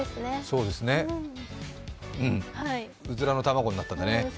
そうですね、うずらの卵になったんだね。